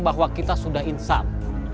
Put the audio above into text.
bahwa kita sudah insan